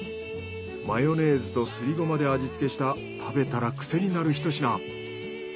マヨネーズとすりごまで味付けした食べたら癖になるひと品。